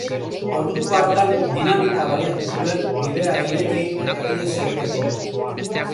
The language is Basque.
Orduko hartan dinamita baliatu zuen bidea ireki eta ihes egiteko.